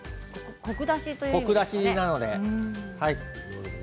コク出しなので。